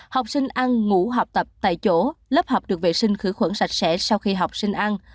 học sinh ăn ngủ học tập tại chỗ lớp học được vệ sinh khử khuẩn sạch sẽ sau khi học sinh ăn